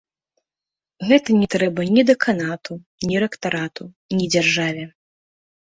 Гэта не трэба ні дэканату, ні рэктарату, ні дзяржаве.